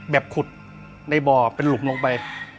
ขุดในบ่อเป็นหลุมลงไป